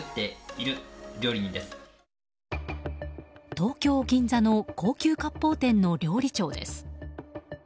東京・銀座の高級割烹店の料理長です。